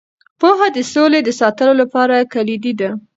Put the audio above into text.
پوهه د سولې د ساتلو لپاره کلیدي ده.